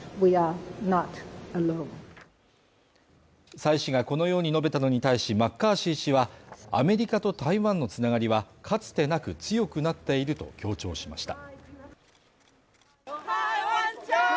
蔡氏がこのように述べたのに対しマッカーシー氏は、アメリカと台湾の繋がりはかつてなく強くなっていると強調しました。